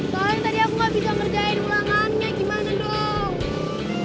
soalnya tadi aku gak bisa ngerjain ulangannya gimana dong